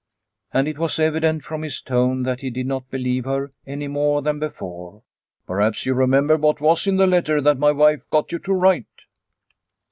And it was evident from his tone that he did not believe her, any more than before. Perhaps you remember what was in the letter that my wife got you to write